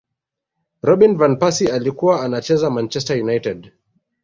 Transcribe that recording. robin van persie alikuwa anacheza manchester united